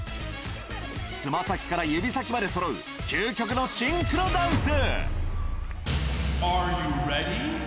つま先から指先までそろう究極のシンクロダンス。